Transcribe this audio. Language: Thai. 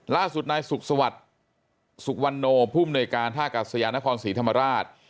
ล่าสุดนายสุขสวัสดิ์สุวรรณโนภูมิหน่วยการท่ากัศยานครศรีธรรมราช